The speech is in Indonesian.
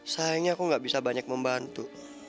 sayangnya aku gak bisa banyak membantu